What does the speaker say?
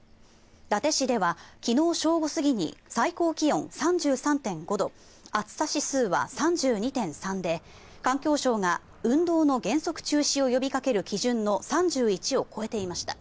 伊達市では昨日正午過ぎに最高気温３３．５度暑さ指数は３２．３で環境省が運動の原則中止を呼びかける基準の３１を超えていました。